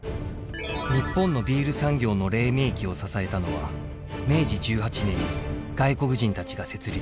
日本のビール産業の黎明期を支えたのは明治１８年に外国人たちが設立した醸造所です。